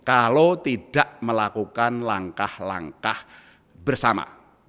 kalau tidak melakukan langkah langkah bersama